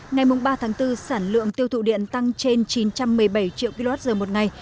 ngày ba tháng bốn sản lượng tiêu thụ điện tăng trên chín trăm một mươi bảy triệu kwh một ngày